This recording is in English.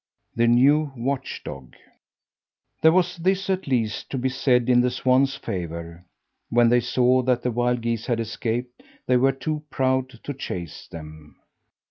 THE NEW WATCH DOG There was this at least to be said in the swans' favour when they saw that the wild geese had escaped, they were too proud to chase them.